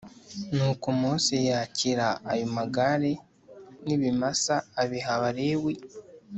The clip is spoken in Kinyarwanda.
Nuko Mose yakira ayo magare n ibimasa abiha Abalewi